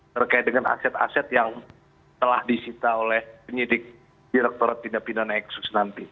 terkait dengan aset aset yang telah disita oleh penyidik direkturat tindak pidana eksus nanti